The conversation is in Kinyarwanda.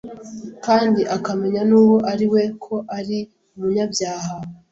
kandi akamenya n'uwo ari we ko ari umunyabyaha."